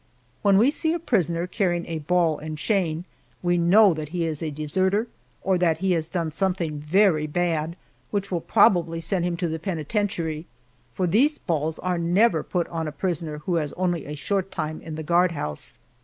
When we see a prisoner carrying a ball and chain we know that he is a deserter, or that he has done something very bad, which will probably send him to the penitentiary, for these balls are never put on a prisoner who has only a short time in the guardhouse.